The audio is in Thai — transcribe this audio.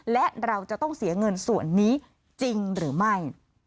และเราจะต้องเสียเงินส่วนนี้จริงหรือไม่